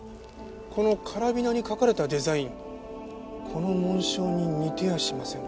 このカラビナに描かれたデザインこの紋章に似てやしませんか？